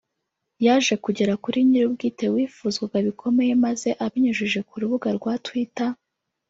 yaje kugera kuri nyir’ubwite wifuzwaga bikomeye maze abinyujije ku rubuga rwa twitter